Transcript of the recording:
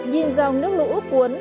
nhìn dòng nước lũ cuốn